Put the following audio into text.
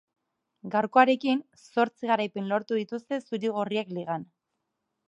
Gaurkoarekin, zortzi garaipen lortu dituzte zuri-gorriek ligan.